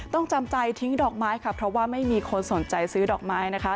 ต้องจำใจทิ้งดอกไม้เพราะว่าไม่มีคนสนใจซื้อดอกไม้